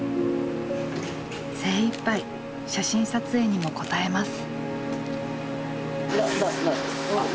精いっぱい写真撮影にも応えます。